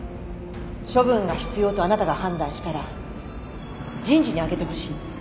処分が必要とあなたが判断したら人事にあげてほしいの。